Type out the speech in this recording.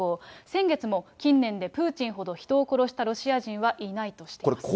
先月も、近年でプーチンほど人を殺したロシア人はいないとしています。